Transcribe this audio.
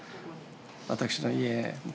私の家。